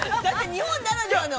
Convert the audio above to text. ◆日本ならではの。